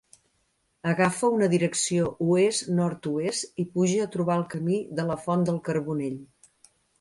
Agafa una direcció oest-nord-oest i puja a trobar el Camí de la Font del Carbonell.